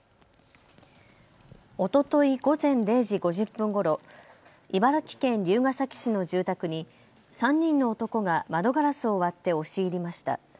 おととい午前０時５０分ごろ、茨城県龍ケ崎市の住宅に３人の男が窓ガラスを割って押し入りました。